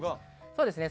そうですね。